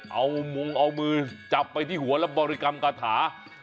เอามงเอามือจับไปที่หัวแล้วบริกรรมคาถา